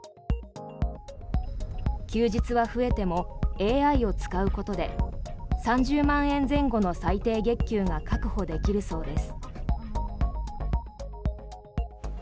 休日は増えてもＡＩを使うことで３０万円前後の最低月給が確保できるそうです。